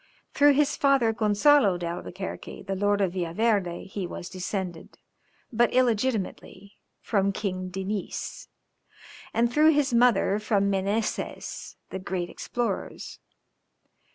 Through his father Gonzalo d'Albuquerque, the Lord of Villaverde, he was descended, but illegitimately, from King Diniz; and through his mother from the Menezez, the great explorers.